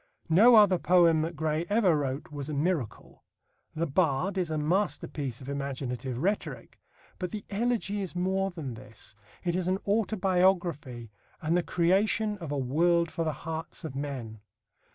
No other poem that Gray ever wrote was a miracle. The Bard is a masterpiece of imaginative rhetoric. But the Elegy is more than this. It is an autobiography and the creation of a world for the hearts of men.